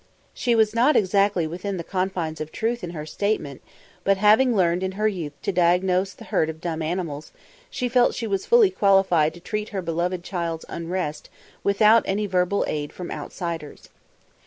She was not exactly within the confines of truth in her statement, but having learned in her youth to diagnose the hurt of dumb animals, she felt she was fully qualified to treat her beloved child's unrest without any verbal aid from outsiders.